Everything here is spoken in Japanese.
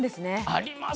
あります。